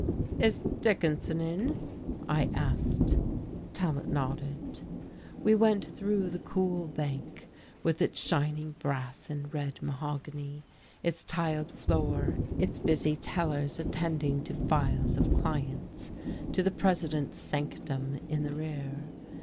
"Is Dickinson in?" I asked. Tallant nodded. We went through the cool bank, with its shining brass and red mahogany, its tiled floor, its busy tellers attending to files of clients, to the president's sanctum in the rear.